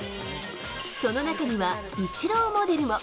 その中にはイチローモデルも。